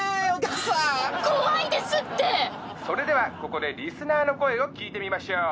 それではここでリスナーの声を聞いてみましょう。